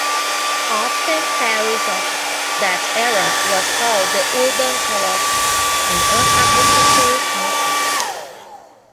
Often Paris of that era was called the "urban colossus in an agricultural country".